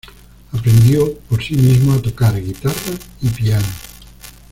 Aprendió por sí mismo a tocar guitarra y piano.